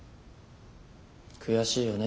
悔しいよね